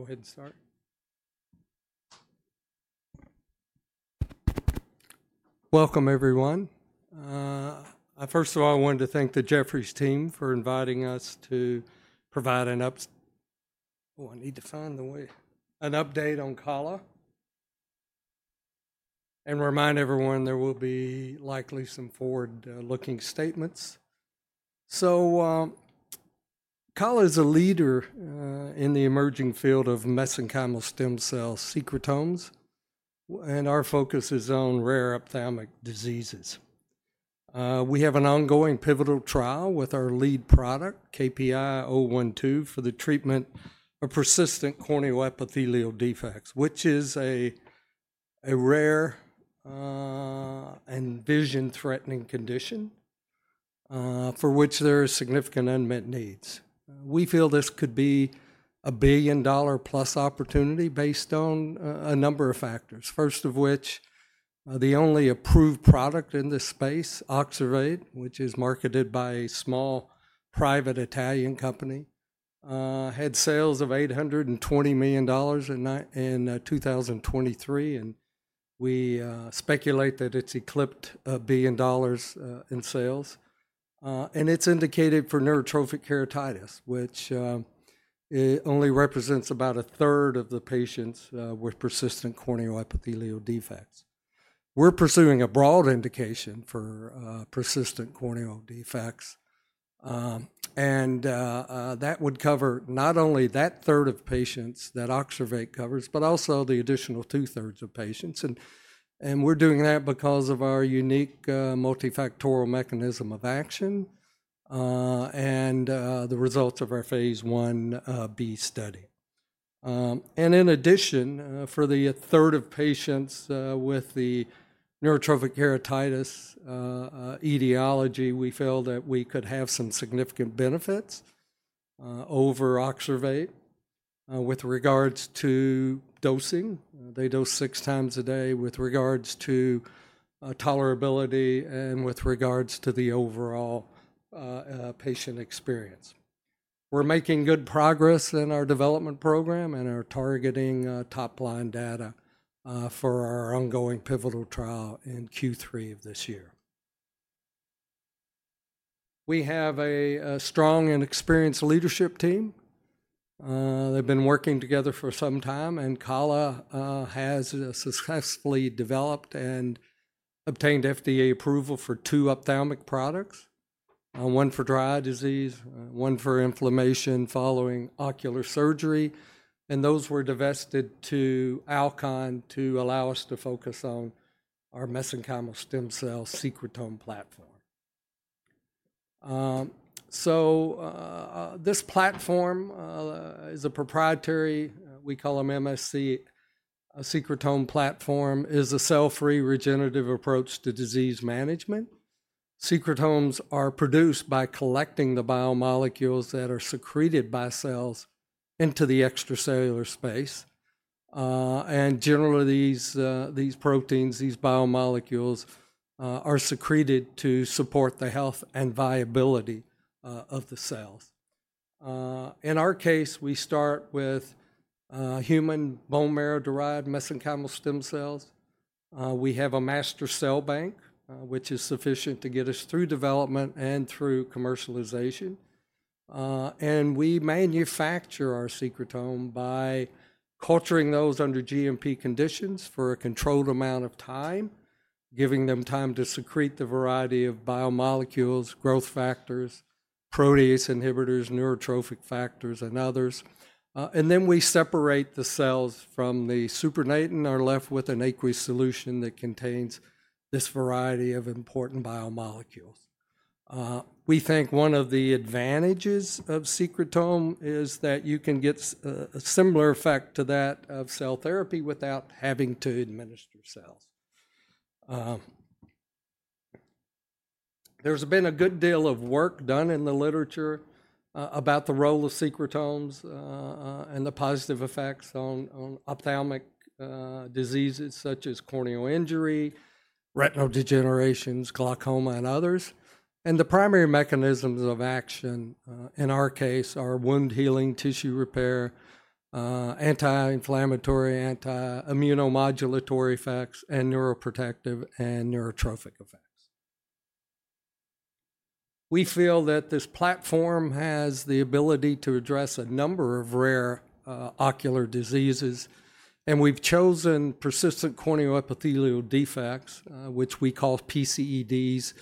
Go ahead and start. Welcome, everyone. First of all, I wanted to thank the Jefferies team for inviting us to provide an up—oh, I need to find the way—an update on KALA. And remind everyone there will be likely some forward-looking statements. KALA is a leader in the emerging field of mesenchymal stem cell secretomes, and our focus is on rare ophthalmic diseases. We have an ongoing pivotal trial with our lead product, KPI-012, for the treatment of persistent corneal epithelial defects, which is a rare and vision-threatening condition for which there are significant unmet needs. We feel this could be a billion-dollar-plus opportunity based on a number of factors, first of which the only approved product in this space, OXERVATE, which is marketed by a small private Italian company, had sales of $820 million in 2023, and we speculate that it's eclipsed a billion dollars in sales. It is indicated for neurotrophic keratitis, which only represents about a third of the patients with persistent corneal epithelial defects. We are pursuing a broad indication for persistent corneal defects, and that would cover not only that third of patients that OXERVATE covers, but also the additional two-thirds of patients. We are doing that because of our unique multifactorial mechanism of action and the results of our phase IB study. In addition, for the third of patients with the neurotrophic keratitis etiology, we feel that we could have some significant benefits over OXERVATE with regards to dosing. They dose six times a day, with regards to tolerability, and with regards to the overall patient experience. We are making good progress in our development program and are targeting top-line data for our ongoing pivotal trial in Q3 of this year. We have a strong and experienced leadership team. They've been working together for some time, and KALA has successfully developed and obtained FDA approval for two ophthalmic products: one for dry eye disease, one for inflammation following ocular surgery, and those were divested to Alcon to allow us to focus on our mesenchymal stem cell secretome platform. This platform is a proprietary—we call them MSC secretome platform—is a cell-free regenerative approach to disease management. Secretomes are produced by collecting the biomolecules that are secreted by cells into the extracellular space. Generally, these proteins, these biomolecules, are secreted to support the health and viability of the cells. In our case, we start with human bone marrow-derived mesenchymal stem cells. We have a master cell bank, which is sufficient to get us through development and through commercialization. We manufacture our secretome by culturing those under GMP conditions for a controlled amount of time, giving them time to secrete the variety of biomolecules, growth factors, protease inhibitors, neurotrophic factors, and others. We separate the cells from the supernatant and are left with an aqueous solution that contains this variety of important biomolecules. We think one of the advantages of secretome is that you can get a similar effect to that of cell therapy without having to administer cells. There has been a good deal of work done in the literature about the role of secretomes and the positive effects on ophthalmic diseases such as corneal injury, retinal degenerations, glaucoma, and others. The primary mechanisms of action in our case are wound healing, tissue repair, anti-inflammatory, anti-immunomodulatory effects, and neuroprotective and neurotrophic effects. We feel that this platform has the ability to address a number of rare ocular diseases, and we've chosen persistent corneal epithelial defects, which we call PCEDs,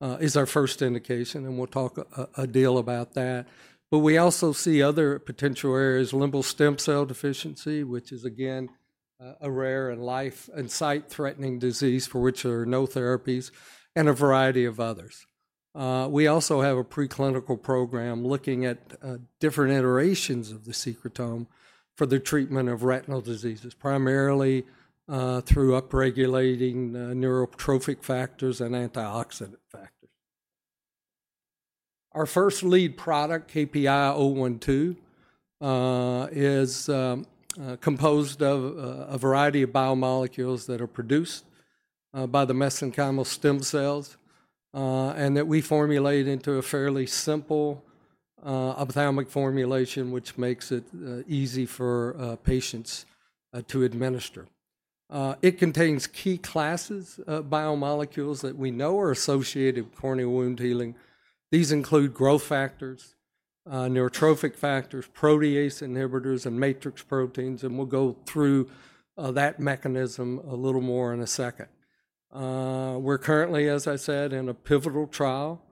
as our first indication, and we'll talk a deal about that. We also see other potential areas: limbal stem cell deficiency, which is, again, a rare and life and sight-threatening disease for which there are no therapies, and a variety of others. We also have a preclinical program looking at different iterations of the secretome for the treatment of retinal diseases, primarily through upregulating neurotrophic factors and antioxidant factors. Our first lead product, KPI-012, is composed of a variety of biomolecules that are produced by the mesenchymal stem cells and that we formulate into a fairly simple ophthalmic formulation, which makes it easy for patients to administer. It contains key classes of biomolecules that we know are associated with corneal wound healing. These include growth factors, neurotrophic factors, protease inhibitors, and matrix proteins, and we'll go through that mechanism a little more in a second. We're currently, as I said, in a pivotal trial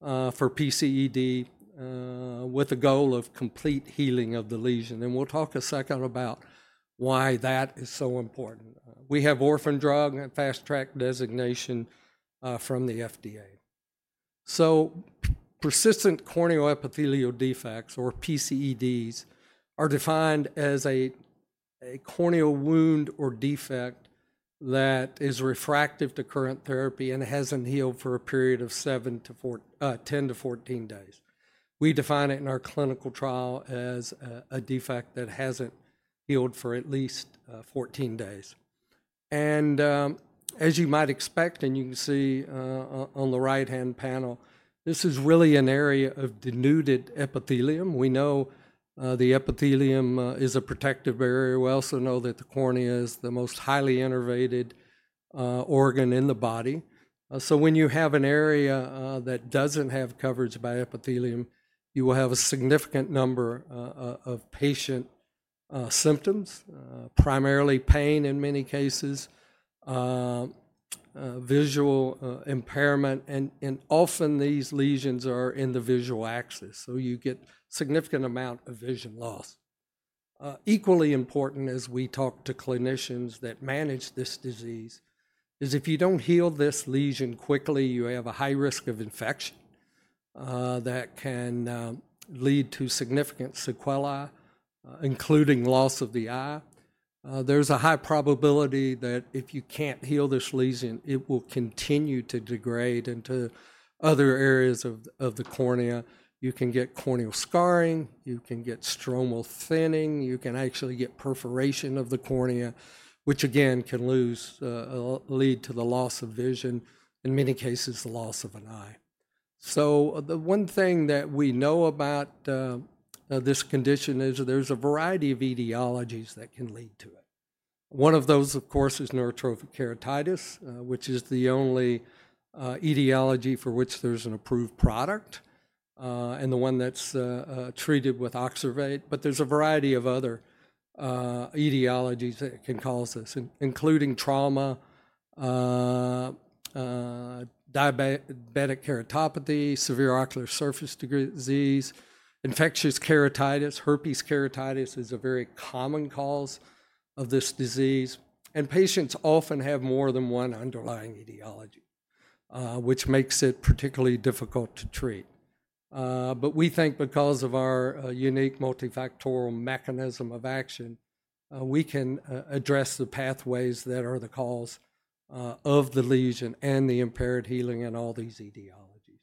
for PCED with a goal of complete healing of the lesion, and we'll talk a second about why that is so important. We have Orphan Drug and Fast Track designation from the FDA. Persistent corneal epithelial defects, or PCEDs, are defined as a corneal wound or defect that is refractive to current therapy and hasn't healed for a period of 10 to 14 days. We define it in our clinical trial as a defect that hasn't healed for at least 14 days. As you might expect, and you can see on the right-hand panel, this is really an area of denuded epithelium. We know the epithelium is a protective barrier. We also know that the cornea is the most highly innervated organ in the body. When you have an area that does not have coverage by epithelium, you will have a significant number of patient symptoms, primarily pain in many cases, visual impairment, and often these lesions are in the visual axis. You get a significant amount of vision loss. Equally important, as we talk to clinicians that manage this disease, is if you do not heal this lesion quickly, you have a high risk of infection that can lead to significant sequela, including loss of the eye. There is a high probability that if you cannot heal this lesion, it will continue to degrade into other areas of the cornea. You can get corneal scarring, you can get stromal thinning, you can actually get perforation of the cornea, which again can lead to the loss of vision, in many cases the loss of an eye. The one thing that we know about this condition is there's a variety of etiologies that can lead to it. One of those, of course, is neurotrophic keratitis, which is the only etiology for which there's an approved product and the one that's treated with OXERVATE, but there's a variety of other etiologies that can cause this, including trauma, diabetic keratopathy, severe ocular surface disease, infectious keratitis. Herpes keratitis is a very common cause of this disease, and patients often have more than one underlying etiology, which makes it particularly difficult to treat. We think because of our unique multifactorial mechanism of action, we can address the pathways that are the cause of the lesion and the impaired healing in all these etiologies.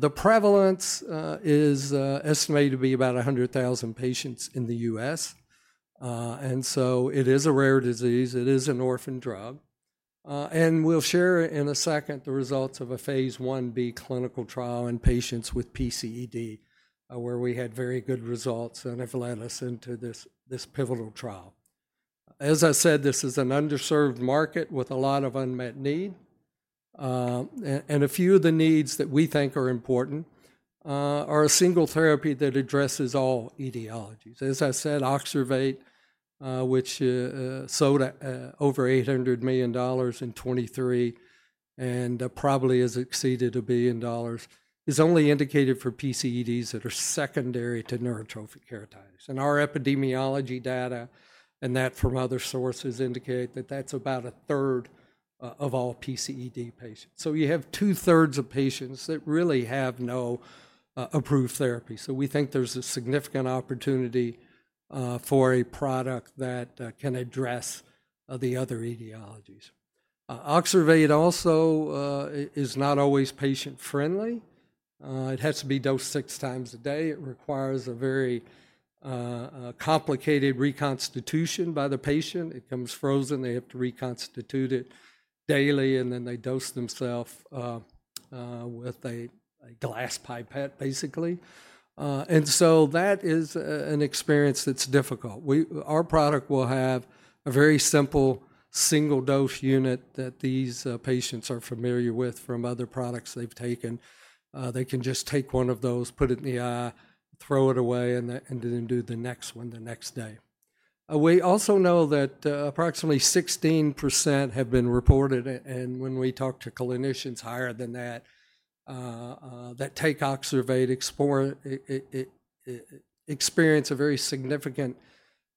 The prevalence is estimated to be about 100,000 patients in the U.S., and so it is a rare disease. It is an orphan drug, and we'll share in a second the results of a phase I.B. clinical trial in patients with PCED, where we had very good results that have led us into this pivotal trial. As I said, this is an underserved market with a lot of unmet needs, and a few of the needs that we think are important are a single therapy that addresses all etiologies. As I said, OXERVATE, which sold over $800 million in 2023 and probably has exceeded $1 billion, is only indicated for PCEDs that are secondary to neurotrophic keratitis. Our epidemiology data and that from other sources indicate that that's about a third of all PCED patients. You have two-thirds of patients that really have no approved therapy. We think there's a significant opportunity for a product that can address the other etiologies. OXERVATE also is not always patient-friendly. It has to be dosed six times a day. It requires a very complicated reconstitution by the patient. It comes frozen. They have to reconstitute it daily, and then they dose themselves with a glass pipette, basically. That is an experience that's difficult. Our product will have a very simple single-dose unit that these patients are familiar with from other products they've taken. They can just take one of those, put it in the eye, throw it away, and then do the next one the next day. We also know that approximately 16% have been reported, and when we talk to clinicians higher than that, that take OXERVATE, experience a very significant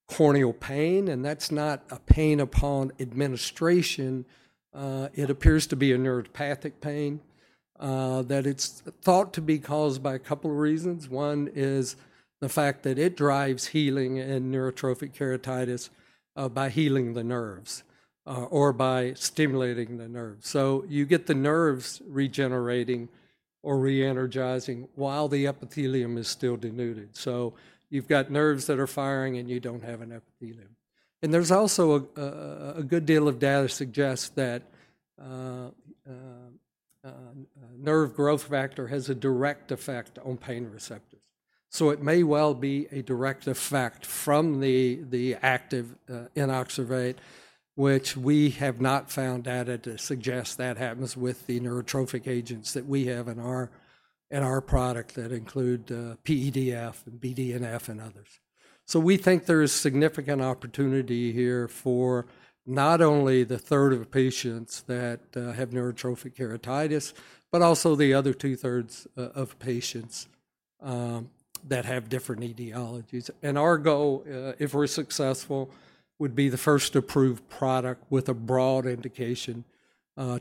corneal pain, and that's not a pain upon administration. It appears to be a neuropathic pain that it's thought to be caused by a couple of reasons. One is the fact that it drives healing in neurotrophic keratitis by healing the nerves or by stimulating the nerves. You get the nerves regenerating or re-energizing while the epithelium is still denuded. You have nerves that are firing, and you do not have an epithelium. There is also a good deal of data that suggests that nerve growth factor has a direct effect on pain receptors. It may well be a direct effect from the active in OXERVATE, which we have not found data to suggest that happens with the neurotrophic agents that we have in our product that include PEDF and BDNF and others. We think there is significant opportunity here for not only the third of patients that have neurotrophic keratitis, but also the other two-thirds of patients that have different etiologies. Our goal, if we're successful, would be the first approved product with a broad indication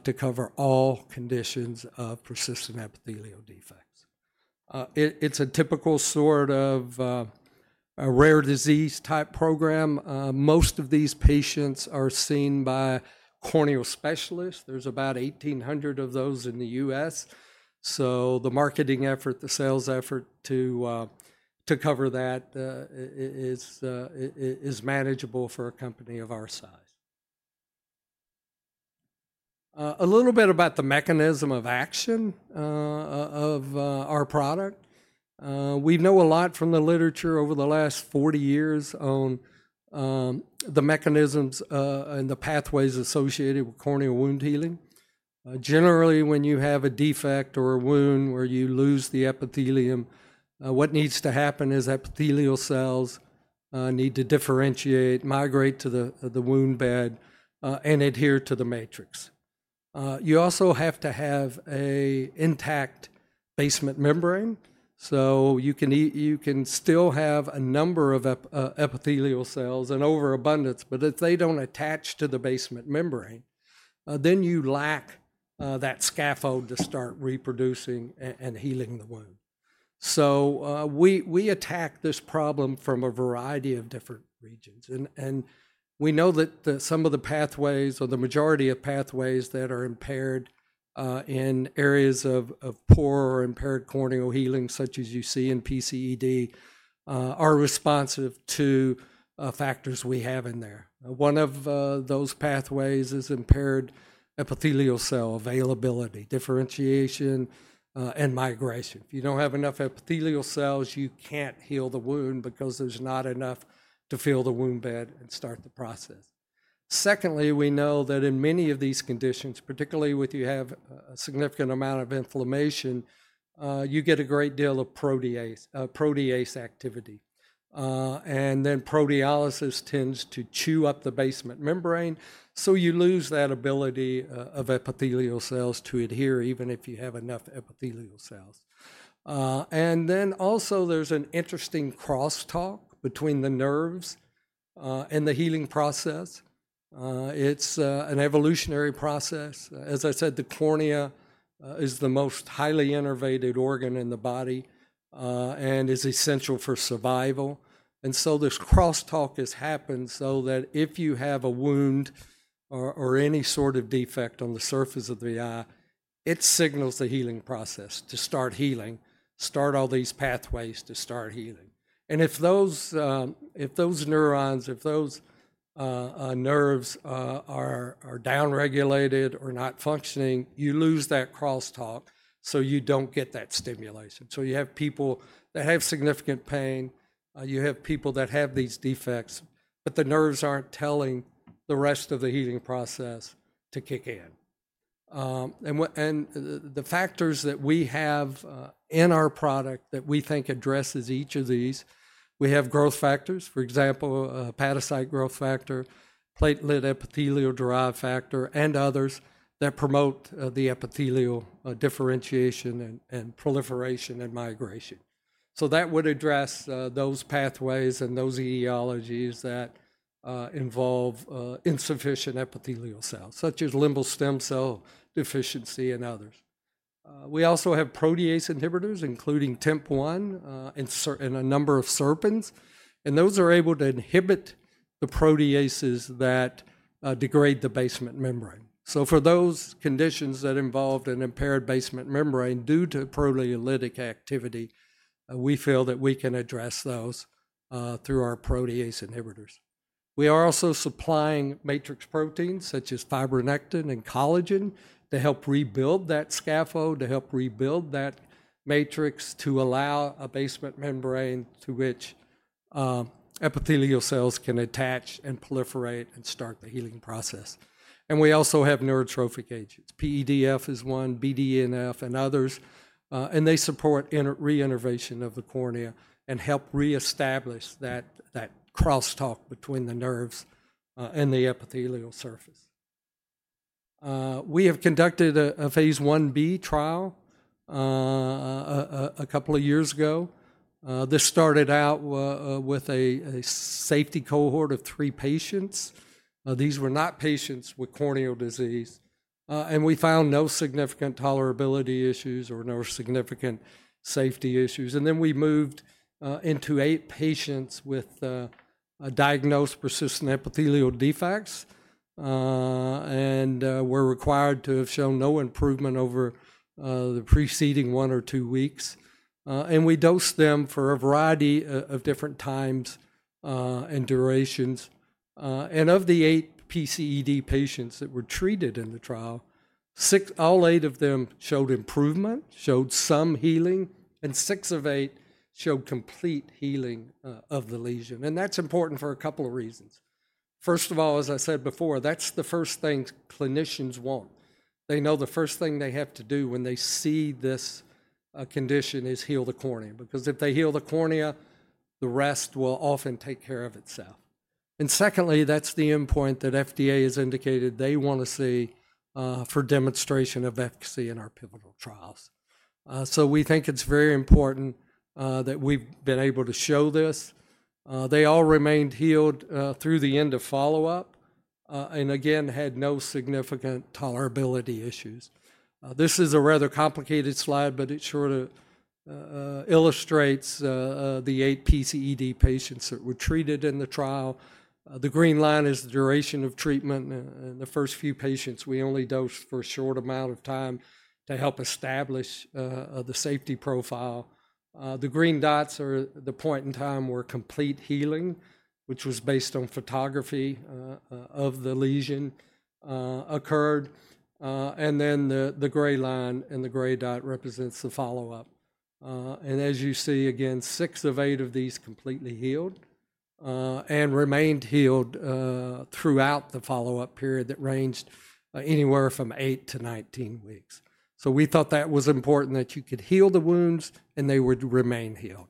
to cover all conditions of persistent epithelial defects. It's a typical sort of rare disease type program. Most of these patients are seen by corneal specialists. There's about 1,800 of those in the U.S. The marketing effort, the sales effort to cover that is manageable for a company of our size. A little bit about the mechanism of action of our product. We know a lot from the literature over the last 40 years on the mechanisms and the pathways associated with corneal wound healing. Generally, when you have a defect or a wound where you lose the epithelium, what needs to happen is epithelial cells need to differentiate, migrate to the wound bed, and adhere to the matrix. You also have to have an intact basement membrane. You can still have a number of epithelial cells in overabundance, but if they do not attach to the basement membrane, then you lack that scaffold to start reproducing and healing the wound. We attack this problem from a variety of different regions. We know that some of the pathways, or the majority of pathways that are impaired in areas of poor or impaired corneal healing, such as you see in PCED, are responsive to factors we have in there. One of those pathways is impaired epithelial cell availability, differentiation, and migration. If you do not have enough epithelial cells, you cannot heal the wound because there is not enough to fill the wound bed and start the process. Secondly, we know that in many of these conditions, particularly if you have a significant amount of inflammation, you get a great deal of protease activity. Proteolysis tends to chew up the basement membrane, so you lose that ability of epithelial cells to adhere even if you have enough epithelial cells. There is also an interesting crosstalk between the nerves and the healing process. It is an evolutionary process. As I said, the cornea is the most highly innervated organ in the body and is essential for survival. This crosstalk has happened so that if you have a wound or any sort of defect on the surface of the eye, it signals the healing process to start healing, start all these pathways to start healing. If those neurons, if those nerves are downregulated or not functioning, you lose that crosstalk, so you do not get that stimulation. You have people that have significant pain. You have people that have these defects, but the nerves are not telling the rest of the healing process to kick in. The factors that we have in our product that we think addresses each of these, we have growth factors, for example, hepatocyte growth factor, pigment epithelium-derived factor, and others that promote the epithelial differentiation and proliferation and migration. That would address those pathways and those etiologies that involve insufficient epithelial cells, such as limbal stem cell deficiency and others. We also have protease inhibitors, including TIMP-1 and a number of SERPINs, and those are able to inhibit the proteases that degrade the basement membrane. For those conditions that involve an impaired basement membrane due to proteolytic activity, we feel that we can address those through our protease inhibitors. We are also supplying matrix proteins such as fibronectin and collagen to help rebuild that scaffold, to help rebuild that matrix to allow a basement membrane to which epithelial cells can attach and proliferate and start the healing process. We also have neurotrophic agents. PEDF is one, BDNF, and others, and they support re-innervation of the cornea and help reestablish that crosstalk between the nerves and the epithelial surface. We have conducted a phase I B trial a couple of years ago. This started out with a safety cohort of three patients. These were not patients with corneal disease, and we found no significant tolerability issues or no significant safety issues. We moved into eight patients with diagnosed persistent epithelial defects and were required to have shown no improvement over the preceding one or two weeks. We dosed them for a variety of different times and durations. Of the eight PCED patients that were treated in the trial, all eight of them showed improvement, showed some healing, and six of eight showed complete healing of the lesion. That is important for a couple of reasons. First of all, as I said before, that is the first thing clinicians want. They know the first thing they have to do when they see this condition is heal the cornea, because if they heal the cornea, the rest will often take care of itself. Secondly, that's the endpoint that FDA has indicated they want to see for demonstration of efficacy in our pivotal trials. We think it's very important that we've been able to show this. They all remained healed through the end of follow-up and again had no significant tolerability issues. This is a rather complicated slide, but it sort of illustrates the eight PCED patients that were treated in the trial. The green line is the duration of treatment. In the first few patients, we only dosed for a short amount of time to help establish the safety profile. The green dots are the point in time where complete healing, which was based on photography of the lesion, occurred. The gray line and the gray dot represent the follow-up. As you see, again, six of eight of these completely healed and remained healed throughout the follow-up period that ranged anywhere from eight to 19 weeks. We thought that was important that you could heal the wounds and they would remain healed.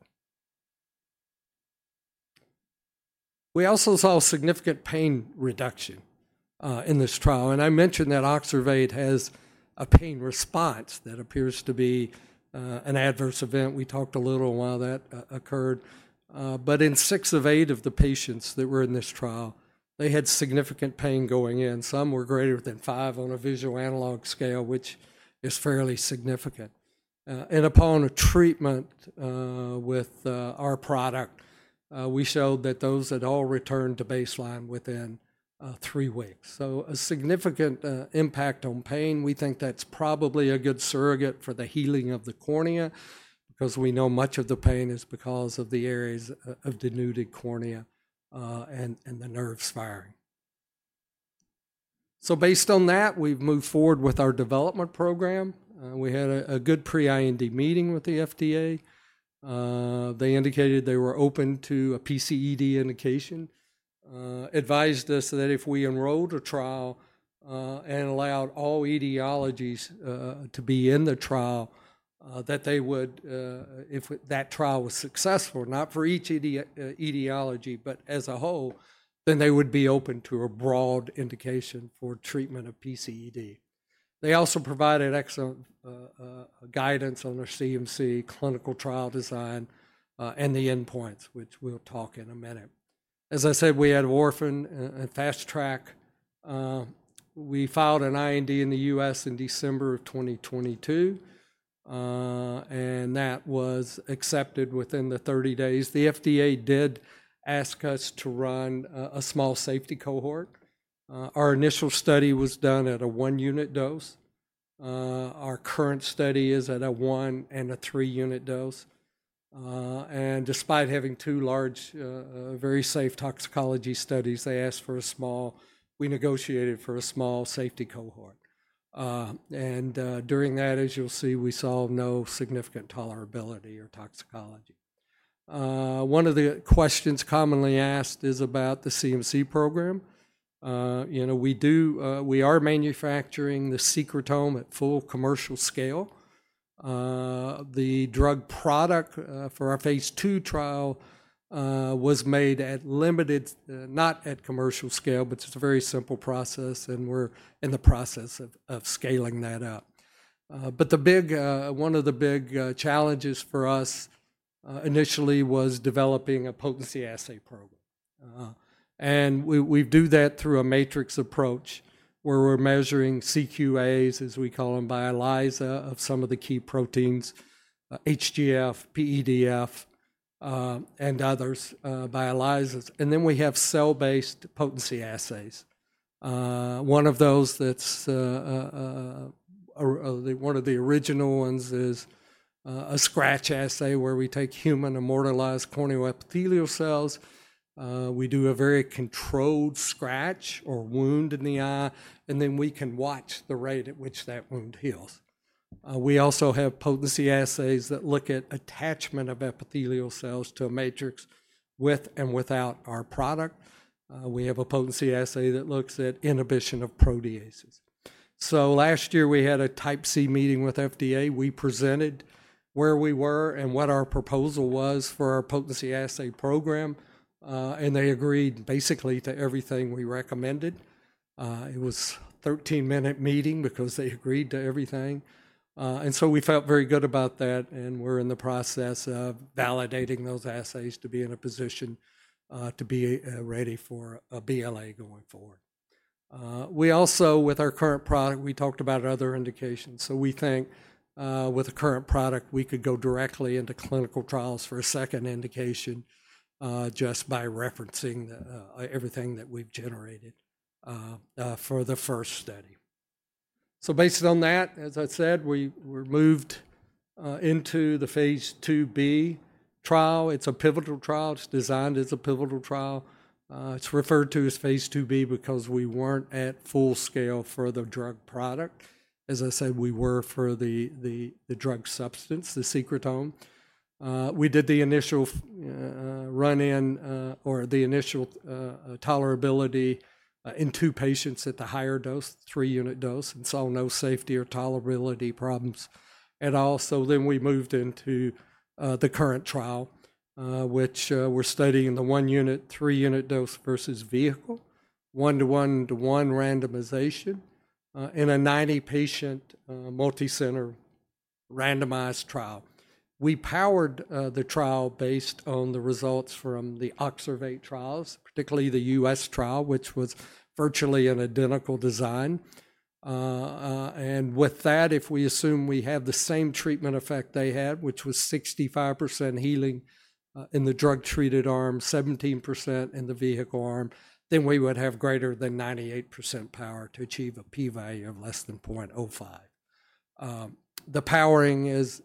We also saw significant pain reduction in this trial. I mentioned that OXERVATE has a pain response that appears to be an adverse event. We talked a little while that occurred. In six of eight of the patients that were in this trial, they had significant pain going in. Some were greater than five on a visual analog scale, which is fairly significant. Upon treatment with our product, we showed that those had all returned to baseline within three weeks. A significant impact on pain. We think that's probably a good surrogate for the healing of the cornea because we know much of the pain is because of the areas of denuded cornea and the nerve sparring. Based on that, we've moved forward with our development program. We had a good pre-IND meeting with the FDA. They indicated they were open to a PCED indication, advised us that if we enrolled a trial and allowed all etiologies to be in the trial, that they would, if that trial was successful, not for each etiology, but as a whole, then they would be open to a broad indication for treatment of PCED. They also provided excellent guidance on their CMC clinical trial design and the endpoints, which we'll talk in a minute. As I said, we had a warfarin and Fast Track. We filed an IND in the U.S. in December of 2022, and that was accepted within the 30 days. The FDA did ask us to run a small safety cohort. Our initial study was done at a one-unit dose. Our current study is at a one and a three-unit dose. Despite having two large, very safe toxicology studies, they asked for a small, we negotiated for a small safety cohort. During that, as you'll see, we saw no significant tolerability or toxicology. One of the questions commonly asked is about the CMC program. We are manufacturing the secretome at full commercial scale. The drug product for our phase II trial was made at limited, not at commercial scale, but it's a very simple process, and we're in the process of scaling that up. One of the big challenges for us initially was developing a potency assay program. We do that through a matrix approach where we're measuring CQAs, as we call them, by ELISA of some of the key proteins, HGF, PEDF, and others, by ELISAs. We have cell-based potency assays. One of those that's one of the original ones is a scratch assay where we take human immortalized corneal epithelial cells. We do a very controlled scratch or wound in the eye, and then we can watch the rate at which that wound heals. We also have potency assays that look at attachment of epithelial cells to a matrix with and without our product. We have a potency assay that looks at inhibition of proteases. Last year, we had a Type C meeting with FDA. We presented where we were and what our proposal was for our potency assay program, and they agreed basically to everything we recommended. It was a 13-minute meeting because they agreed to everything. We felt very good about that, and we're in the process of validating those assays to be in a position to be ready for a BLA going forward. We also, with our current product, talked about other indications. We think with a current product, we could go directly into clinical trials for a second indication just by referencing everything that we've generated for the first study. Based on that, as I said, we moved into the phase II B trial. It's a pivotal trial. It's designed as a pivotal trial. It's referred to as phase II B because we weren't at full scale for the drug product. As I said, we were for the drug substance, the secretome. We did the initial run-in or the initial tolerability in two patients at the higher dose, three-unit dose, and saw no safety or tolerability problems at all. We moved into the current trial, which we're studying the one-unit, three-unit dose versus vehicle, one-to-one-to-one randomization in a 90-patient multicenter randomized trial. We powered the trial based on the results from the OXERVATE trials, particularly the U.S. trial, which was virtually an identical design. If we assume we have the same treatment effect they had, which was 65% healing in the drug-treated arm, 17% in the vehicle arm, then we would have greater than 98% power to achieve a P-value of less than 0.05. The powering is,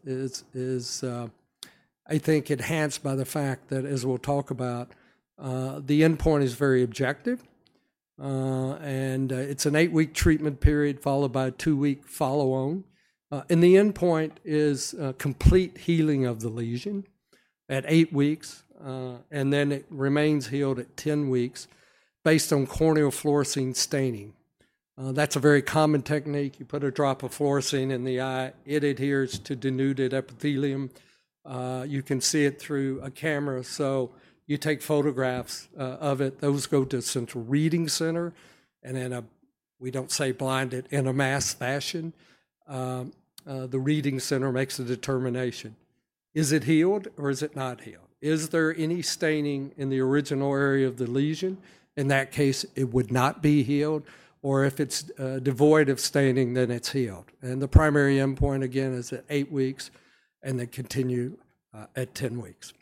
I think, enhanced by the fact that, as we'll talk about, the endpoint is very objective. It is an eight-week treatment period followed by a two-week follow-on. The endpoint is complete healing of the lesion at eight weeks, and then it remains healed at 10 weeks based on corneal fluorescein staining. That is a very common technique. You put a drop of fluorescein in the eye. It adheres to denuded epithelium. You can see it through a camera. You take photographs of it. Those go to a central reading center, and we do not say blind it in a mass fashion. The reading center makes a determination. Is it healed or is it not healed? Is there any staining in the original area of the lesion? In that case, it would not be healed. If it is devoid of staining, then it is healed. The primary endpoint, again, is at eight weeks, and then continue at 10 weeks.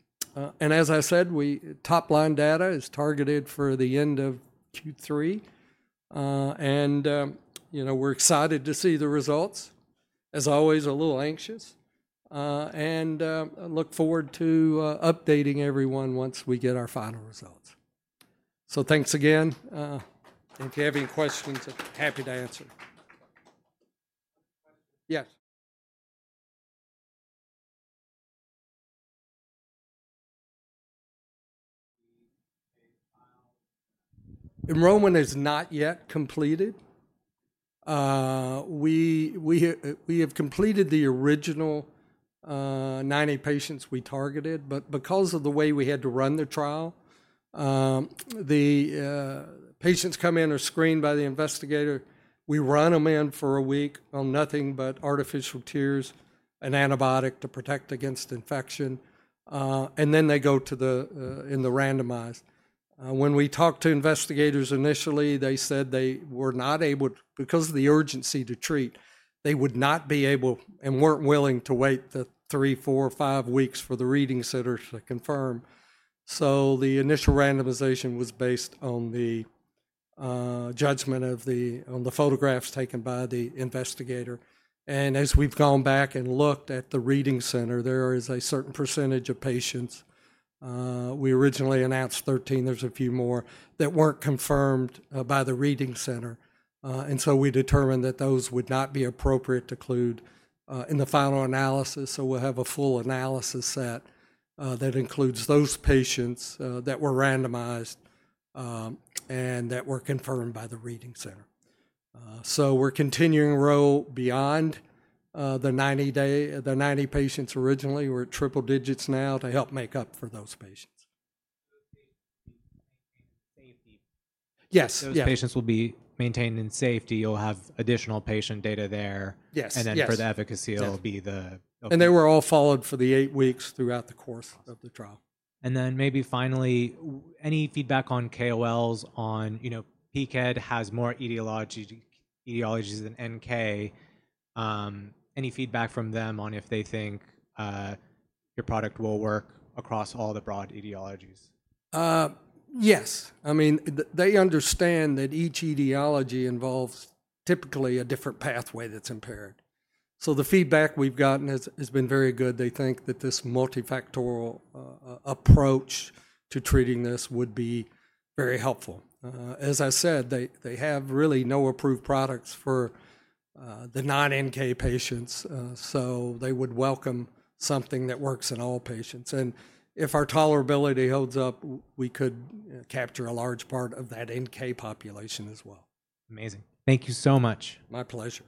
As I said, top-line data is targeted for the end of Q3. We are excited to see the results. As always, a little anxious. I look forward to updating everyone once we get our final results. Thanks again. If you have any questions, I'm happy to answer. Yes. Enrollment is not yet completed. We have completed the original 90 patients we targeted, but because of the way we had to run the trial, the patients come in, are screened by the investigator. We run them in for a week on nothing but artificial tears and antibiotic to protect against infection. Then they go in the randomized. When we talked to investigators initially, they said they were not able, because of the urgency to treat, they would not be able and weren't willing to wait the three, four, or five weeks for the reading centers to confirm. The initial randomization was based on the judgment of the photographs taken by the investigator. As we've gone back and looked at the reading center, there is a certain percentage of patients. We originally announced 13. There are a few more that weren't confirmed by the reading center. We determined that those would not be appropriate to include in the final analysis. We will have a full analysis set that includes those patients that were randomized and that were confirmed by the reading center. We are continuing to roll beyond the 90 patients originally. We are at triple digits now to help make up for those patients. Yes. Those patients will be maintained in safety. You'll have additional patient data there. For the efficacy, it'll be the. They were all followed for the eight weeks throughout the course of the trial. Maybe finally, any feedback on KOLs on PCED has more etiologies than NK. Any feedback from them on if they think your product will work across all the broad etiologies? Yes. I mean, they understand that each etiology involves typically a different pathway that's impaired. The feedback we've gotten has been very good. They think that this multifactorial approach to treating this would be very helpful. As I said, they have really no approved products for the non-NK patients. They would welcome something that works in all patients. If our tolerability holds up, we could capture a large part of that NK population as well. Amazing. Thank you so much. My pleasure.